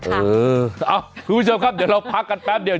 เออคุณผู้ชมครับเดี๋ยวเราพักกันแป๊บเดียว